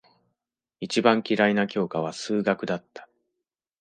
一番嫌いな教科は数学だった。